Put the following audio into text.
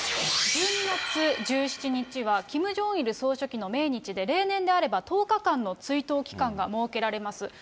１２月１７日は、キム・ジョンイル総書記の命日で、例年であれば１０日間の追悼期間が設けられます。